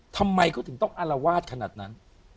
ทำไมเขาถึงต้องอารวาสขนาดนั้น